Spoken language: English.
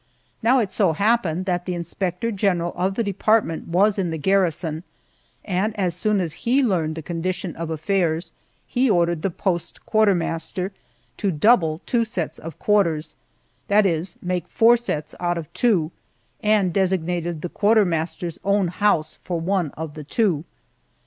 Now it so happened that the inspector general of the department was in the garrison, and as soon as he learned the condition of affairs, he ordered the post quartermaster to double two sets of quarters that is, make four sets out of two and designated the quartermaster's own house for one of the two.